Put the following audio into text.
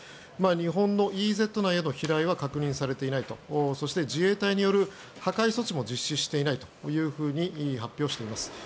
日本のＥＥＺ内への飛来は確認されていない自衛隊による破壊措置も実施していないと発表しています。